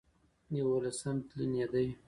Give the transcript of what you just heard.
يوولسم تلين يې دی